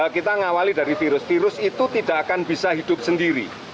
kita ngawali dari virus virus itu tidak akan bisa hidup sendiri